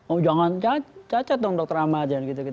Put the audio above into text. oh jangan cacat dong dokter ahmad